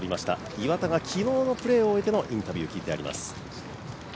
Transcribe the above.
岩田が昨日のプレーを終えてのインタビューを聞いてあります。